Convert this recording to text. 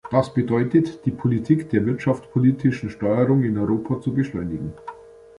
Das bedeutet, die Politik der wirtschaftspolitischen Steuerung in Europa zu beschleunigen.